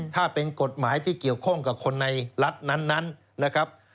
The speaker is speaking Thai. ถ้าเป็นกฎหมายที่เกี่ยวข้องกับคนในรัฐนั้นนะครับ